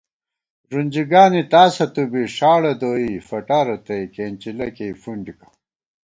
رُنجیگانی تاسہ تُو بی ݭاڑہ دوئی فٹا رتئ کېنچِلہ کېئی فُنڈِکہ